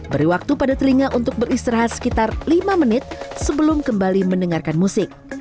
beri waktu pada telinga untuk beristirahat sekitar lima menit sebelum kembali mendengarkan musik